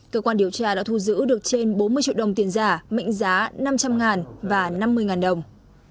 cơ quan điều tra đã thu giữ được trên bốn mươi triệu đồng tiền giả mệnh giá năm trăm linh và năm mươi đồng